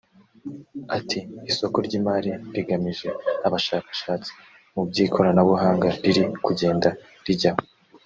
Ati “Isoko ry’imari rigamije abashakashatsi mu by’ikoranabuhanga riri kugenda rijyaho